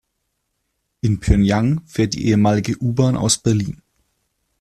In Pjöngjang fährt die ehemalige U-Bahn aus Berlin.